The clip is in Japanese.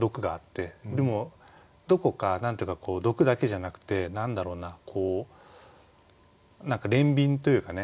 でもどこか何て言うか毒だけじゃなくて何だろうな何か憐憫というかね